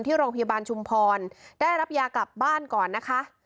ที่โรงพยาบาลชุมพรได้รับยากลับบ้านก่อนนะคะ